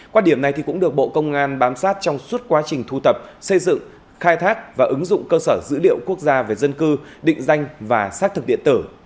quan điểm này cũng được bộ công an bám sát trong suốt quá trình thu tập xây dựng khai thác và ứng dụng cơ sở dữ liệu quốc gia về dân cư định danh và xác thực điện tử